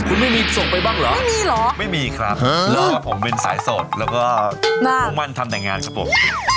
คุณไม่มีส่งไปบ้างเหรอไม่มีเหรอไม่มีครับผมเป็นสายสดแล้วก็มุ่งมั่นทำแต่งงานครับผม